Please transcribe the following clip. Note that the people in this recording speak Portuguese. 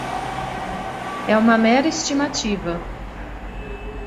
É uma mera estimativa.